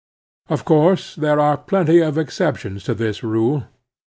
Of course there are plenty of exceptions to this rule.